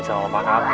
kayak belum ini